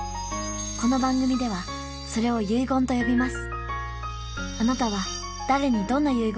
この番組ではそれをと呼びます